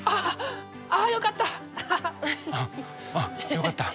よかった。